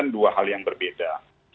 dua hal yang berbeda